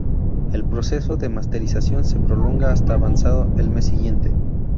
El proceso de masterización se prolonga hasta avanzado el mes siguiente.